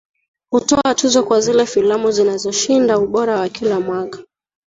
Hutoa tuzo kwa zile filamu zinazoshinda ubora kila mwaka